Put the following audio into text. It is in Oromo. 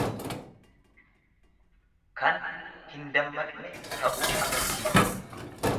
Kan hin dammaqne ta'uu argisiisa.